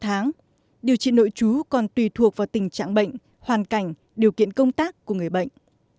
trong hai năm điều trị nội chú còn tùy thuộc vào tình trạng bệnh hoàn cảnh điều kiện công tác của người bệnh